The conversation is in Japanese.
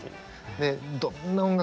どんな音楽